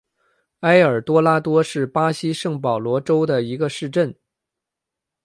埃尔多拉多是巴西圣保罗州的一个市镇。